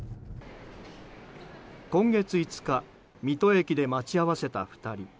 今月５日水戸駅で待ち合わせた２人。